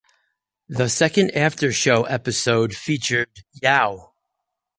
The second aftershow episode featured Yeoh.